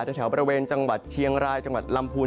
ที่ยังเป็นจังหวัดเชียงรายจังหวัดลำพูล